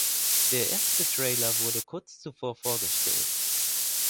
Der erste Trailer wurde kurz zuvor vorgestellt.